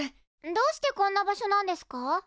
どうしてこんな場所なんですか？